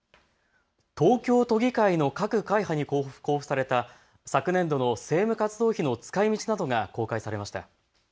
東京都議会の各会派に交付された昨年度の政務活動費の使いみちなどが公開されました。